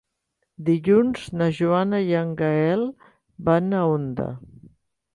Dilluns na Joana i en Gaël van a Onda.